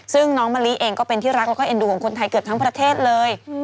ซึ่งน้องมะลิเองก็เป็นที่รักแล้วก็เอ็นดูของคนไทยเกือบทั้งประเทศเลย